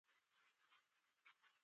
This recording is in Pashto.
امریکا د ځانګړي کال په اکتوبر کې کشف شوه.